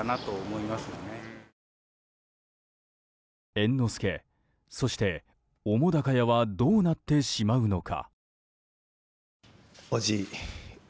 猿之助、そして澤瀉屋はどうなってしまうのか。